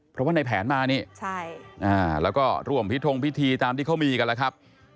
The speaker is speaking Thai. เพราะว่าในแผนมานี่แล้วก็ร่วมพิธงพิธีตามที่เขามีกันแล้วครับ